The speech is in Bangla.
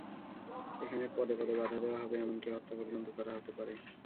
এখানে পদে পদে বাধা দেওয়া হবে, এমনকি হত্যা পর্যন্ত করা হতে পারে।